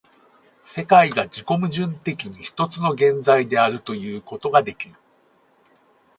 世界が自己矛盾的に一つの現在であるということができる。